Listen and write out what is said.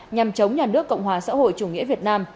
nhằm chống nhà nước cộng hòa xã hội chủ nghĩa việt nam